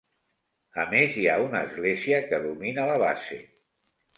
A més hi ha una església que domina la base.